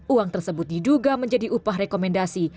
uang tersebut diduga menjadi upah rekomendasi